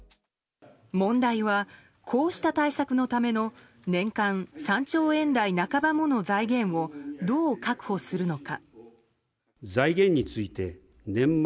問題は、こうした対策のための年間３兆円台半ばもの財源をどう確保するのか。